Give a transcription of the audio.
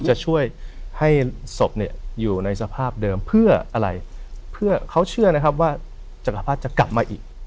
จะช่วยให้ศพเนี่ยอยู่ในสภาพเดิมเพื่ออะไรเพื่อเขาเชื่อนะครับว่าจักรภาพจะกลับมาอีก